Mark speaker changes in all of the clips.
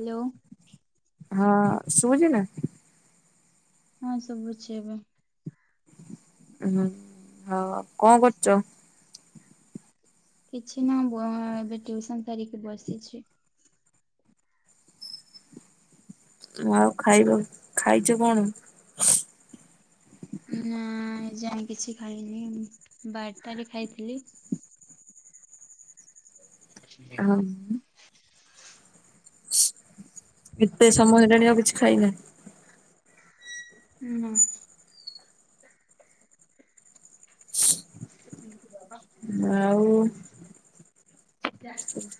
Speaker 1: Hello.
Speaker 2: ହଁ ଶୁଭୁଚି ନା?
Speaker 1: ହଁ ଶୁଭୁଚି ଏବେ।
Speaker 2: ହୁଁ ହଉ ଆଉ କଣ କରୁଛ?
Speaker 1: କିଛି ନୁହ ବ ଏବେ ଟିଉସନ ସାରିକି ବସିଛି।
Speaker 2: ଆଉ ଖାଇବ ଖାଇଛୁ କଣ?
Speaker 1: ନା ଏ ଯାଏଁ କିଛି ଖାଇନି ବାରଟାରେ ଖାଇଥିଲି।
Speaker 2: ଅ ହଁ ଉଁ। ଏତେ ସମୟ ହେଲାଣି ଆଉ କିଛି ଖାଇନା।
Speaker 1: ନା। ଏଟା ଠିକ ବାବା।
Speaker 2: ଆଉ।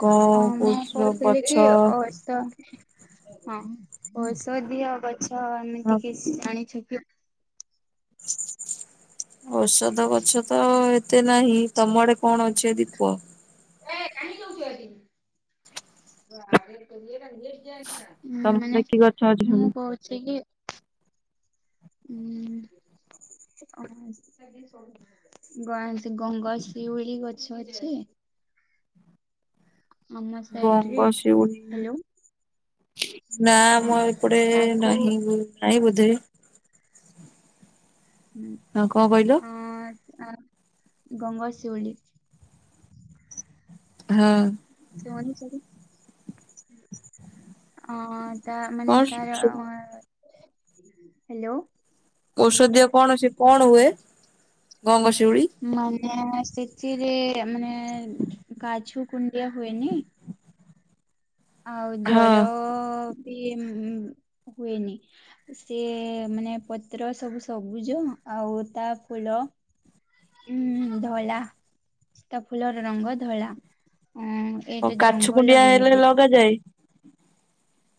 Speaker 2: କଣ
Speaker 1: ହଁ ମୁଁ
Speaker 2: କହୁଛ
Speaker 1: କହୁଥିଲି
Speaker 2: ଗଛ
Speaker 1: କି ଅ ତ। ହଁ ଔଷଧିୟ ଗଛ ଏମିତିି କିଛି ଜାଣିଛ କି?
Speaker 2: ଔଷଧ ଗଛ ତ ଏତେ ନାହିଁ। ତମ ଆଡେ କଣ ଅଛି ଯଦି କୁହ?
Speaker 1: [unintelligible] ଉଁ
Speaker 2: ତମ
Speaker 1: ମାନେ
Speaker 2: ଆଡେ କି ଗଛ ଅଛି
Speaker 1: ମୁଁ
Speaker 2: ସବୁ
Speaker 1: କହୁଛି କି। ହୁଁ ଓହୋ। ଗଏଁସି ଗଙ୍ଗଶିଉଳି ଗଛ ଅଛି। ଆମ ସାହି ରେ
Speaker 2: ଗଙ୍ଗ ଶିଉଳି
Speaker 1: ହାଲୋ।
Speaker 2: ନା ଆମ ଏପଟେ
Speaker 1: ତାକୁ
Speaker 2: ନାହିଁ ବୁ ନାହିଁ ବୋଧେ। ହଁ କଣ କହିଲ
Speaker 1: ହୁଁ ଅଁ ଆଁ ଗଙ୍ଗ ଶିଉଳି।
Speaker 2: ହଁ।
Speaker 1: ସେମାନେ ସବୁ। ଅ ତା ମାନେ
Speaker 2: କଣ
Speaker 1: ତାର ଅ ହାଲୋ।
Speaker 2: ଔଷଧୀୟ କଣ ସେ କଣ ହୁଏ ଗଙ୍ଗଶିଉଳି?
Speaker 1: ମାନେ ସେଥିରେ ମାନେ ଉଁ କାଛୁ କୁଣ୍ଡିଆ ହୁଏନି। ଆଉ
Speaker 2: ହଁ
Speaker 1: ଜର ବି ଉଁ ହୁଏନି। ସିଏ ମାନେ ପତ୍ର ସବୁ ସବୁଜ ଆଉ ତା ଫୁଲ। ଉଁ ଧଳା ତା ଫୁଲର ରଙ୍ଗ ଧଳା। ହଁ
Speaker 2: ଓ
Speaker 1: ଏଇଟା
Speaker 2: କାଛୁ କୁଣ୍ଡିଆ
Speaker 1: ଜଙ୍ଗଲରେ
Speaker 2: ହେଲେ
Speaker 1: ମିଳେ।
Speaker 2: ଲଗାଯାଏ।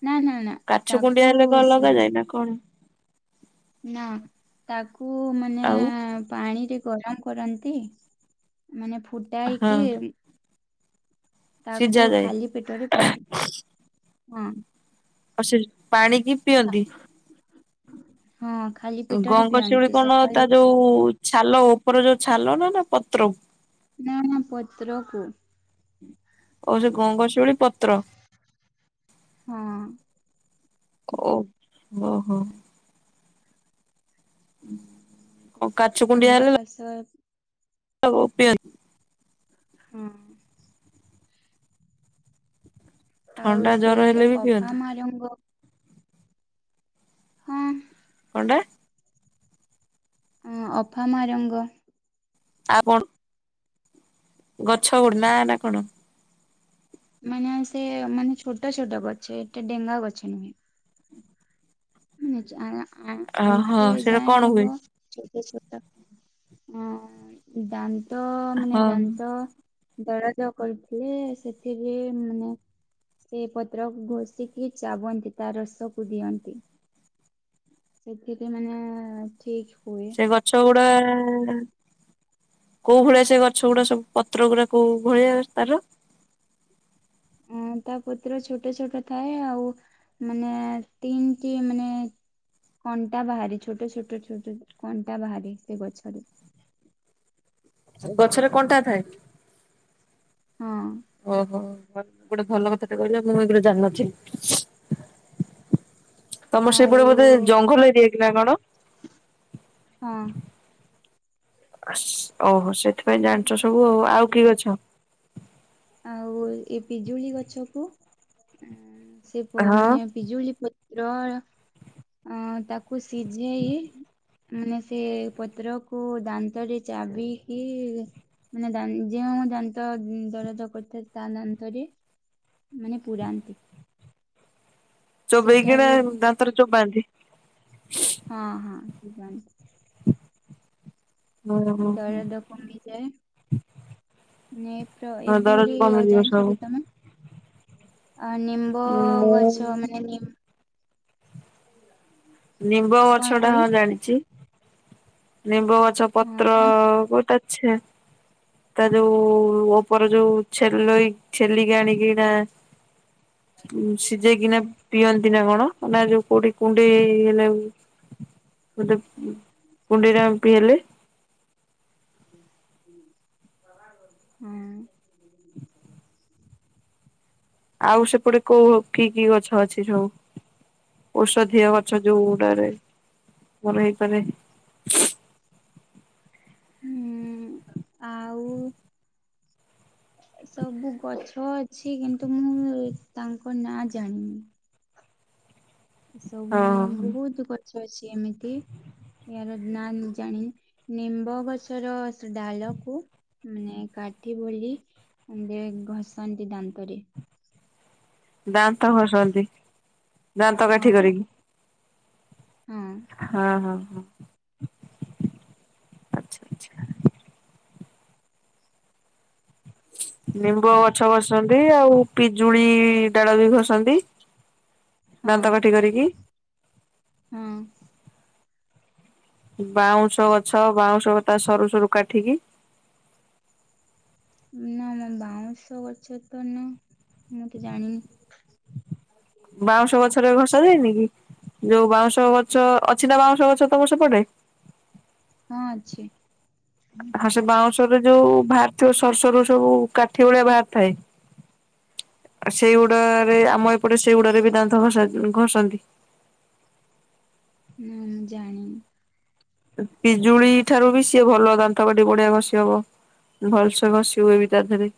Speaker 1: ନା ନା ନା
Speaker 2: କାଛୁ କୁଣ୍ଡିଆ
Speaker 1: ତାକୁ
Speaker 2: ହେଲେ କଣ ଲଗାଯାଏ
Speaker 1: ସିଯି
Speaker 2: କଣ?
Speaker 1: ନା ତାକୁ ମାନେ
Speaker 2: ଆଉ
Speaker 1: ପାଣିରେ ଗରମ କରନ୍ତି ମାନେ ଫୁଟା
Speaker 2: ହଁ
Speaker 1: ହେଇକି ତାକୁ
Speaker 2: ସିଝା ଯାଏ
Speaker 1: ଖାଲି ପେଟରେ ପିଅନ୍ତିୁ ହଁ।
Speaker 2: ଆଉ ସେ ପାଣି କି ପିଅନ୍ତି।
Speaker 1: ହଁ ଖାଲି ପେଟରେ
Speaker 2: ଗଙ୍ଗଶିଉଳି
Speaker 1: ପିଅନ୍ତି
Speaker 2: କଣ ତା
Speaker 1: ସକାଳୁ ଉଠିଲା
Speaker 2: ଯୋଉ ଛାଲ ଉପର ଯୋଉ ଛାଲ ନା ନା ପତ୍ର।
Speaker 1: ନା ନା ପତ୍ରକୁ।
Speaker 2: ଆଉ ସେ ଗଙ୍ଗଶିଉଳି ପତ୍ର।
Speaker 1: ହଁ।
Speaker 2: ଓ ହ ହୋ। ହଁ।
Speaker 1: ଥଣ୍ଡା କାଶ।
Speaker 2: [unintelligible]
Speaker 1: ହଁ
Speaker 2: ଥଣ୍ଡା
Speaker 1: ଆଉ ସେ
Speaker 2: ଜର ହେଲେ ବି ପିଅନ୍ତି
Speaker 1: ଅଫାମା ରଙ୍ଗ। ହଁ।
Speaker 2: କଣ ଟା?
Speaker 1: ମ୍ ଅଫାମା ରଙ୍ଗ।
Speaker 2: ଆପଣ ଗଛ ଗୁଡ ନା ନା କଣ?
Speaker 1: ମାନେ ସେ ମାନେ ଛୋଟ ଛୋଟ ଗଛ ଏତେ ଡେଙ୍ଗା ଗଛ ନୁହେଁ। ଆ ଆଁ
Speaker 2: ହଁ
Speaker 1: ଆଣ୍ଠୁଏ
Speaker 2: ସେଇଟା
Speaker 1: ଯାଏ
Speaker 2: କଣ ହୁଏ
Speaker 1: ହବ। ଛୋଟ ଛୋଟ ଦାନ୍ତ ମାନେ
Speaker 2: ହଁ
Speaker 1: ଦାନ୍ତ। ଦଳାଜ କରିଥିଲେ ସେଥିପାଇଁ ମାନେ ସେ ପତ୍ର ଘୋଷିକି ଚାବନ୍ତି ତା ରସକୁ ଦିଅନ୍ତି। ସେଥିରେ ମାନେ ଠିକ ହୁଏ।
Speaker 2: ସେ ଗଛ ଗୁଡା। କୋଉ ଭଳିଆ ସେ ଗଛ ଗୁଡା ସବୁ ପତ୍ର ଗୁଡା କୋଉ ଭଳିଆ ତାର
Speaker 1: ଅ ତା ପତ୍ର ଛୋଟ ଛୋଟ ଥାଏ ଆଉ ମାନେ ତିନଟି ମାନେ କଣ୍ଟା ବାହାରେ ଛୋଟ ଛୋଟ ଛୋଟ କଣ୍ଟା ବାହାରେ ସେ ଗଛରେ
Speaker 2: ଗଛରେ କଣ୍ଟା ଥାଏ।
Speaker 1: ହଁ।
Speaker 2: ଓହୋ ଗୋଟେ ଭଲ କଥାଟା କହିଲ ମୁଁ ଏଗୁରା ଜାଣି ନଥିଲି। ତମର ସେପଟେ
Speaker 1: ଆଉ
Speaker 2: ବୋଧେ ଜଙ୍ଗଲ ଏରିଆ କି ନା କଣ?
Speaker 1: ହଁ।
Speaker 2: ଓହୋ ସେଥିପାଇଁ ଜାଣିଛ ସବୁ ଆଉ ଆଉ କି ଗଛ?
Speaker 1: ଆଉ ଏ ପିଜୁଳି ଗଛ କୁ ଉ ସେ ପଏ
Speaker 2: ହଁ
Speaker 1: ମାନେ ପିଜୁଳି ପତ୍ର ଅ ତାକୁ ସିଝେଇ ମାନେ ସେ ପତ୍ରକୁ ଦାନ୍ତରେ ଚାବିକି ମାନେ ଦାନ୍ ଯେଉଁ ଦାନ୍ତ ଦର ତ କରିଥା ତା ଦାନ୍ତରେ ମାନେ ପୁରାନ୍ତି। ସେଟା
Speaker 2: ଚୋବେଇକିନା
Speaker 1: ବି
Speaker 2: ଦାନ୍ତରେ ଚୋବାନ୍ତି।
Speaker 1: ହଁ ହଁ ଚୋବାନ୍ତି।
Speaker 2: ଓହୋ
Speaker 1: ଦରଦ କମିଯାଏ। ନେ ପ୍ର ଏ
Speaker 2: ହଁ ଦରଜ
Speaker 1: ଏଭଳି ଅ
Speaker 2: କମିଯିବ
Speaker 1: ଜାଣିଛ
Speaker 2: ସବୁ।
Speaker 1: କି ତମେ ଆ ନିମ୍ବ
Speaker 2: ମୁ
Speaker 1: ଗଛମାନେ [unintelligible]
Speaker 2: ନିମ୍ବ ଗଛଟା ହଁ ଜାଣିଚି। ନିମ୍ବଗଛ
Speaker 1: ହଁ କଣ
Speaker 2: ପତ୍ରକୁ ତା ଛେ ତା ଯୋଉ ଓପର ଯୋଉ ଛେଲେଇ ଛେଲିକି ଆଣିକି ଏଇଟା [inaudible] ଉଁ ସିଜେଇକିନା ପିଅନ୍ତି ନା କଣ ନା ଯୋଉ କୋଉଠି କୁଣ୍ଡେଇ ହେଲେ
Speaker 1: [inaudible]
Speaker 2: କୁଣ୍ଡେଇ ରାମ୍ପି ହେଲେ
Speaker 1: ହୁଁ।
Speaker 2: ଆଉ ସେପଟେ କୋଉ କି କି ଗଛ ଅଛି ସବୁ? ଔଷଧୀୟ ଗଛ ଯୋଉଗୁଟାରେ ଭଲ ହେଇପାରେ।
Speaker 1: ହୁଁ ଆଉ ସବୁ ଗଛ ଅଛି କିନ୍ତୁ ମୁଁ ତାଙ୍କ ନାଁ ଜାଣିନି। ଏସବୁ
Speaker 2: ହଁ
Speaker 1: ଉଁ ବୋହୁତୁ ଗଛ ଅଛି ଏମିତି। ଏୟାର ନା ମୁଁ ଜାଣିନି ନିମ୍ବ ଗଛର ସ ଡାଲକୁ ମିନେ କାଠି ବୋଲି ଉଁ ଦେ ଘଷନ୍ତି ଦାନ୍ତରେ।
Speaker 2: ଦାନ୍ତ ଘଷନ୍ତି ଦାନ୍ତ କାଠି କରିକି।
Speaker 1: ହୁଁ।
Speaker 2: ହଁ ହଁ ହଁ। ଆଚ୍ଛା ନିମ୍ବ
Speaker 1: ଅ
Speaker 2: ଗଛ ଘଷନ୍ତି ଆଉ ପିଜୁଳି ଡାଳ ବି ଘଷନ୍ତି। ଦାନ୍ତ
Speaker 1: ହଁ
Speaker 2: କାଠି କରିକି
Speaker 1: ହୁଁ।
Speaker 2: ବାଉଁଶ ଗଛ ବାଉଁଶ ବତା ସରୁ ସରୁ କାଠିକି
Speaker 1: ନା ନା ବାଉଁଶ ଗଛ ତ ନା ମୁଁ ତ ଜାଣନି।
Speaker 2: ବାଉଁଶ ଗଛରେ ଘଷା ଯାଏନି କି ଯୋଉ ବାଉଁଶ ଗଛ ଅଛି ନା ବାଉଁଶ ଗଛ ତମ ସେପଟେ।
Speaker 1: ହଁ ଅଛି।
Speaker 2: ହାଁ ସେ ବାଉଁଶରେ ଯୋଉ ଭାରିଥିବ ସରୁ ସରୁ ସବୁ କାଠି ଭଳିଆ ଭାରିଥାଏ। ଆଉ ସେଇଗୁଡାରେ ଆମ ଏପଟେ ସେଇଗୁଡାରେ ବି ଦାନ୍ତ ଘଷା ଉଁ ଘଷନ୍ତି।
Speaker 1: ନାଁ ମୁଁ ଜାଣିନି।
Speaker 2: ଉଁ ପିଜୁଳି ଠାରୁ ବି ସିଏ ଭଲ ଦାନ୍ତକାଠି ବଢିଆ ଘଷି ହବ। ଭଲ୍ ସେ ଘସି ହୁଏ ବି ତା ଧେରେ।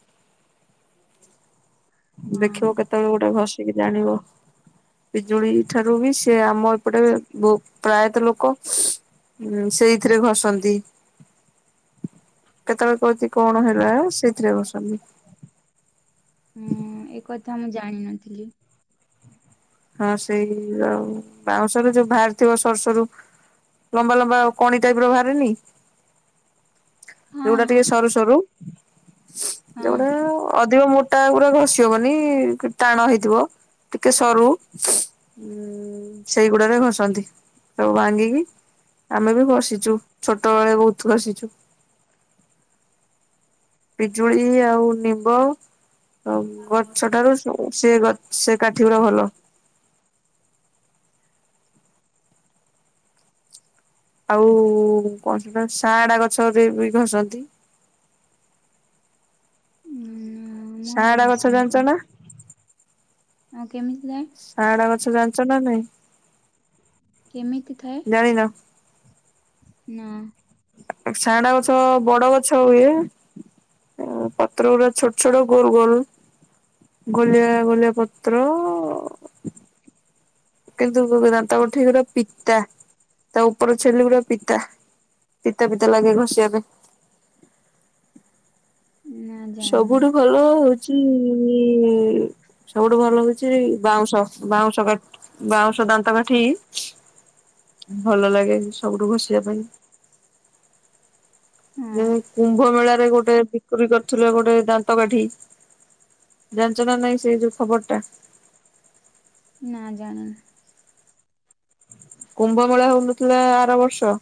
Speaker 1: [inaudible] ହଁ
Speaker 2: ଦେଖିବ କେତେବେଳେ ଗୋଟେ ଘଷିକି ଜାଣିବ। ପିଜୁଳି ଠାରୁ ବି ସେ ଆମ ଏପଟେ ବୋଉ ପ୍ରାୟତଃ ଲୋକ ଉଁ ସେଇଥିରେ ଘଷନ୍ତି। କେତେବେଳେ କୋଉଥି କଣ ହେଲା ସେଇଥିରେ ଘଷନ୍ତି।
Speaker 1: ହୁଁ ଏ କଥା ମୁଁ ଜାଣିନଥିଲି।
Speaker 2: ହଁ ସେଇ ଆଉ ବାଉଁଶରୁ ଯୋଉ ଭାରିଥିବ ସରୁ ସରୁ ଲମ୍ବା ଲମ୍ବା କଣି ଟାଇପର ଭାରେନି
Speaker 1: ହଁ
Speaker 2: ଯୋଉଟା
Speaker 1: ହଁ
Speaker 2: ଟିକେ ସରୁ ସରୁ
Speaker 1: ହଁ
Speaker 2: ଯୋଉଡା ଅଧିକ ମୋଟା ପୁରା ଘଷି ହବନି କ ଟାଣ ହେଇଥିବ। ଟିକେ ସରୁ ଉଁ ସେଇଗୁଡାରେ ଘଷନ୍ତି ତାକୁ ଭାଙ୍ଗିକି ଆମେ ବି ଘଷିଚୁ ଛୋଟବେଳେ ବୋହୁତ ଘଷିଚୁ। ପିଜୁଳି ଆଉ ନିମ୍ବ ଅଁ ଗଛଠାରୁ ଉଁ ସେ ଗ ସେ କାଠି ଗୁରା ଭଲ। ଆଉ କଁ ସେଟା ସାଆଡା ଗଛ ଯେ ବି ଘଷନ୍ତି।
Speaker 1: ଉଁ ଆମ ଆଡେ
Speaker 2: ସାଆଡା ଗଛ ଜାଣିଚ ନା।
Speaker 1: ମୁଁ କେମିତି ଯାଇଁ
Speaker 2: ସାଆଡା ଗଛ ଜାଣିଚ ନା ନାଇଁ।
Speaker 1: କେମିତି ଥାଏ
Speaker 2: ଜାଣିନ?
Speaker 1: ନା।
Speaker 2: ସାଆଡ଼ା ଗଛ ବଡ ଗଛ ହୁଏ। ଓ ପତ୍ର ଗୁଡା ଛୋଟ ଛୋଟ ଗୋଲ ଗୋଲ। ଗଳିଆ ଗଳିଆ ପତ୍ର। କିନ୍ତୁ କୁ କୁ ଦାନ୍ତ କାଠି ଗୁଡ଼ା ପିତା ତା ଉପର ଛେଲି ଗୋଟେ ପିତା। ପିତା ପିତା ଲାଗେ ଘଷିବା ପାଇଁ।
Speaker 1: ନା ଜାଣିନି
Speaker 2: ସବୁଠୁ ଭଲ ହଉଚି ସବୁଠୁ ଭଲ ହଉଛି ବାଉଁଶ ବାଉଁଶ କାଠି। ବାଉଁଶ ଦାନ୍ତକାଠି ଭଲ ଲାଗେ ସବୁଠୁ ଘଷିବା ପାଇଁ। ଯେ
Speaker 1: ହଁ
Speaker 2: କୁମ୍ଭ ମେଳାରେ ଗୋଟେ ବିକରି କରୁଥିଲେ ଗୋଟେ ଦାନ୍ତ କାଠି। ଜାଣିଛ ନା ନାଇଁ ସେଇ ଯୋଉ ଖବର ଟା।
Speaker 1: ନା ଜାଣିନି।
Speaker 2: କୁମ୍ଭ ମେଳା ହଉନଥିଲେ ଆର ବର୍ଷ।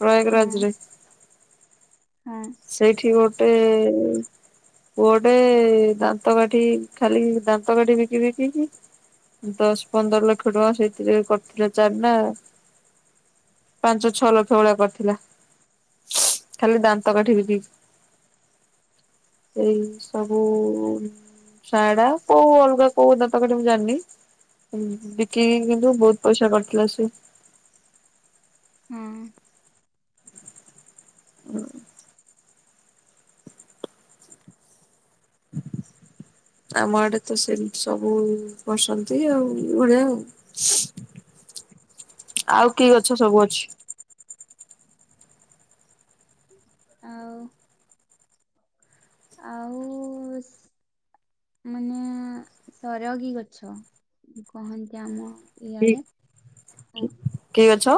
Speaker 2: ପ୍ରୟାଗରାଜ
Speaker 1: ହଁ
Speaker 2: ରେ
Speaker 1: ହଁ।
Speaker 2: ସେଇଠି ଗୋଟେ ପୁଅଟେ ଦାନ୍ତ କାଠି ଖାଲି ଦାନ୍ତ କାଠି ବିକି ବିକି କି ଦଶ ପନ୍ଦର ଲକ୍ଷ ଟଙ୍କା ସେଇଥିରେ କଟିଲା ଚାନ୍ଦା। ପାଞ୍ଚ ଛଅ ଲକ୍ଷ ଭଳିଆ କରିଥିଲା ଖାଲି ଦାନ୍ତ ଦାନ୍ତ କାଠିବିକି କି ଏଇ ସବୁ ସାଆଡା କୋଉ ଅଲଗା କୋଉ ନା ଦାନ୍ତ କାଠି ମୁଁ ଜାଣିନି। ବିକିକି କିନ୍ତୁ ବହୁତ ପଇସା କରିଥିଲା ସେ।
Speaker 1: ହୁଁ।
Speaker 2: ହୁଁ। ଆମଆଡେ ତ ସେ ସବୁ ବସନ୍ତି ଆଉ ବଡିଆ ଆଉ। ଆଉ କି ଗଛ ସବୁ ଅଛି।
Speaker 1: ଆଉ ଆଉ ମାନେ ସରଗୀ ଗଛ କହନ୍ତି ଆମ
Speaker 2: କି
Speaker 1: ଇଆଡେ ହଁ
Speaker 2: କି ଗଛ?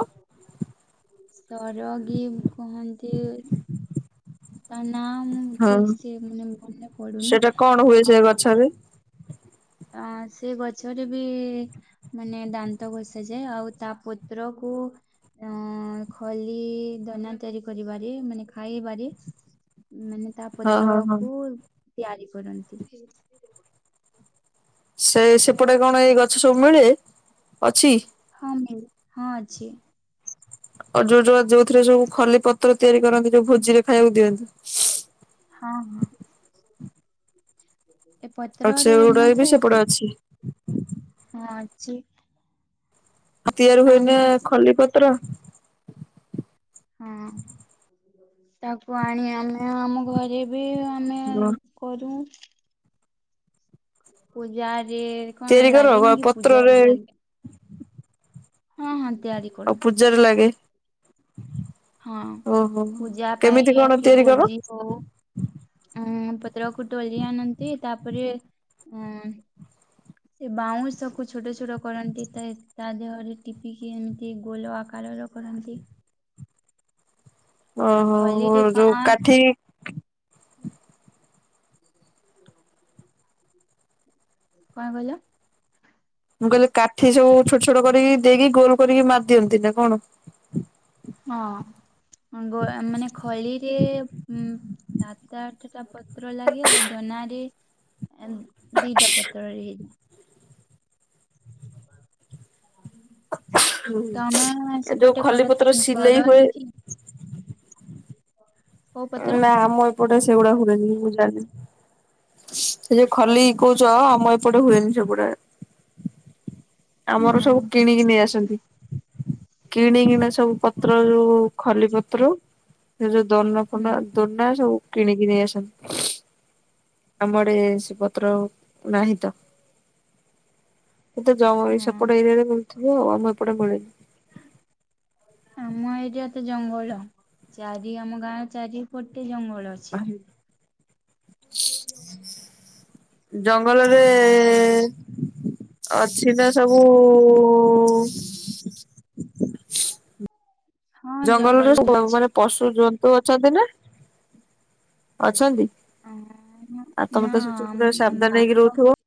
Speaker 1: ସରଗୀ କୁହନ୍ତି। ତା ନା ମୁଁ
Speaker 2: ହଁ।
Speaker 1: ଠିକ ସେ ମାନେ ମନେ ପଡୁନି
Speaker 2: ସେଇଟା କଣ ହୁଏ ସେ
Speaker 1: ଆଉ
Speaker 2: ଗଛରେ?
Speaker 1: ହଁ ସେ ଗଛରେ ବି ମାନେ ଦାନ୍ତ ଘଷା ଯାଏ। ଆଉ ତା ପତ୍ର କୁ ହଁ ଅ ଖଲି ଦନା ତିଆରି କରିବାରେ ମାନେ ଖାଇବାରେ ମାନେ ତା
Speaker 2: ହଁ ହଁ ହଁ।
Speaker 1: ପତ୍ରକୁ ତିଆରି କରନ୍ତି।
Speaker 2: ସେ ସେପଟେ କଣ ଏଇ ଗଛ ସବୁ ମିଳେ ଅଛି।
Speaker 1: ହଁ ମିଳେ ହଁ ଅଛି।
Speaker 2: ଅ ଯୋଉ ଯୋଉ ଯୋଉଥିରେ ସବୁ ଖଲିପତ୍ର ତିଆରି କରନ୍ତି। ଯୋଉ ଭୋଜିରେ ଖାଇବାକୁ ଦିଅନ୍ତି।
Speaker 1: ହଁ ହଁ ଏ
Speaker 2: ଆଉ
Speaker 1: ପତ୍ରରେ
Speaker 2: ସେଗୁଡା ବି
Speaker 1: ନଥାଏ
Speaker 2: ସେପଟେ
Speaker 1: କି?
Speaker 2: ଅଛି
Speaker 1: ହଁ ଅଛି।
Speaker 2: ଆଉ ତିଆରି ହୁଏନି
Speaker 1: ଆମେ
Speaker 2: ଖଲିପତ୍ର।
Speaker 1: ହଁ ତାକୁ ଆଣି ଆମେ ଆମ ଘରେ ବି ଆମେ
Speaker 2: ଗ୍ରନ
Speaker 1: କରୁଉଁ। ପୂଜାରେ କଣ
Speaker 2: ତିଆରି କର ବା
Speaker 1: ଲାଗେନି କି
Speaker 2: ପତ୍ରରେ
Speaker 1: ପୂଜାରେ ଲାଗେ। ହଁ ହଁ ତିଆରି କରୁ।
Speaker 2: ଜର ଲାଗେ।
Speaker 1: ହଁ
Speaker 2: ଓହୋ।
Speaker 1: ପୂଜା
Speaker 2: କେମିତି
Speaker 1: ପାଇଁ
Speaker 2: କଣ
Speaker 1: କିଏ
Speaker 2: ତିଆରି କର
Speaker 1: ଭୋଜି ହଉ ଉଁ ପତ୍ରକୁ ତୋଲି ଆଣନ୍ତି ତାପରେ ଉଁ ଏ ବାଉଁଶକୁୁ ଛୋଟ ଛୋଟ କରନ୍ତି ତା ଦେହରେ ଟିପିକି ଏମିତି ଗୋଲ୍ ଆକାରର କରାନ୍ତି।
Speaker 2: ଓହୋ
Speaker 1: ଖଲିରେ
Speaker 2: ଯଉ
Speaker 1: ପାଞ୍ଚ
Speaker 2: କାଠି
Speaker 1: [inaudible] କଣ୍ କହିଲ?
Speaker 2: ମୁଁ କହିଲି କାଠି ସବୁ ଛୋଟ୍ ଛୋଟ୍ କରିକି ଦେଇକି ଗୋଲ୍ କରିକି ମାରି ଦିଅନ୍ତି ନା କଣ?
Speaker 1: ହଁ ଗୋଳା- ମାନେ ଖଳିରେ ଉଁ-ତା ସାତ ଆଠଟା ପତ୍ର ଲାଗେ ଆଉ ଦନାରେ ଏଁ- ଦିଟା ପତ୍ରରେ ହେଇଯାଏ। ତମେ
Speaker 2: ଯୋଉ
Speaker 1: ସେପଟେ
Speaker 2: ଖଲି ପତ୍ର
Speaker 1: କରନ୍ତି-
Speaker 2: ସିଲେଇ ହୁଏ
Speaker 1: କରନି କି? [inaudible]
Speaker 2: ନାଁ ଆମ ଏପଟେ ସେଗୁଡା ହୁଏନି ମୁଁ ଜାଣିନି। ସେ ଯଉ ଖଲି କହୁଚ ଆମ ଏପଟେ ହୁଏନି ସେଗୁଡା। ଆମର
Speaker 1: ହଁ।
Speaker 2: ସବୁ କିଣିକି ନେଇ ଆସନ୍ତି କିଣିକିନା ସବୁ ପତ୍ର ଯଉ ଖଲି ପତ୍ର ସେ ଯଉ ଦନ-
Speaker 1: ହୁଁ
Speaker 2: ଦନା ସବୁ କିଣିକି ନେଇ ଆସନ୍ତି। ଆମ ଆଡେ ସେ ପତ୍ର ନାହିଁ ତ। ଜମା ବି
Speaker 1: ହଁ
Speaker 2: ସେପଟେ ଏରିଆରେ ମିଳୁଥିବ ଆଉ ଆମ ଏପଟେ ମିଳେନି।
Speaker 1: ଆମ ଏରିଆ ତ ଜଙ୍ଗଲ ଚାରି- ଆମ ଗାଁ ଚାରିପଟେ ଜଙ୍ଗଲ ଅଛି।
Speaker 2: ହ। ଜଙ୍ଗଲରେ ଅଛି ତ ସବୁ
Speaker 1: ହଁ
Speaker 2: ଜଙ୍ଗଲରେ
Speaker 1: ଅଛି।
Speaker 2: ସବୁ-ମାନେ ପଶୁ ଜନ୍ତୁ ଅଛନ୍ତି ନା ଅଛନ୍ତି? ଆଉ
Speaker 1: ନା
Speaker 2: ତମେ ତ ସେଠି ପୁରା ସାବଧାନ୍ ହେଇକି
Speaker 1: ବାଘ
Speaker 2: ରହୁଥିବ।